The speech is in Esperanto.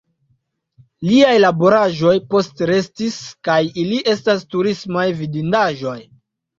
Liaj laboraĵoj postrestis kaj ili estas turismaj vidindaĵoj.